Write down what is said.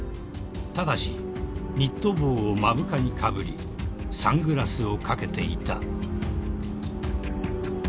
［ただしニット帽を目深にかぶりサングラスをかけていた］